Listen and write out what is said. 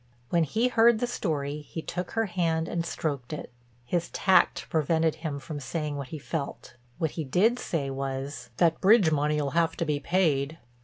When he heard the story, he took her hand and stroked it. His tact prevented him from saying what he felt; what he did say was: "That bridge money'll have to be paid."